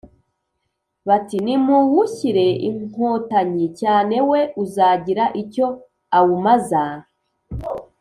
bati: nimuwushyire inkotanyi cyane, we uzagira icyo awumaza.